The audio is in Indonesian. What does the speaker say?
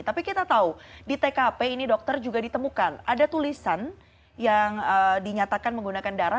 tapi kita tahu di tkp ini dokter juga ditemukan ada tulisan yang dinyatakan menggunakan darah